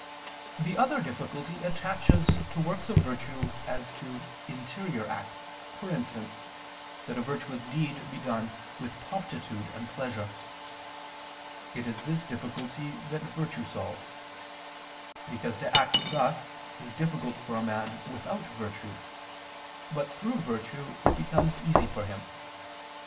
The other difficulty attaches to works of virtue as to interior acts: for instance, that a virtuous deed be done with promptitude and pleasure. It is this difficulty that virtue solves: because to act thus is difficult for a man without virtue: but through virtue it becomes easy for him.